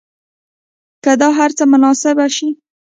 که دا هر څه محاسبه شي